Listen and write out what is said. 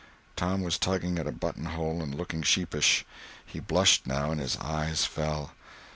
Tom was tugging at a button hole and looking sheepish. He blushed, now, and his eyes fell.